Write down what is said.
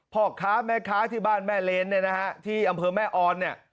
พ่อค้าแม่ค้าที่บ้านแม่เลนเนี่ยนะฮะที่อำเภอแม่ออนเนี่ย